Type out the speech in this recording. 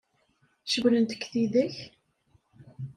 Cewwlent-k tidak?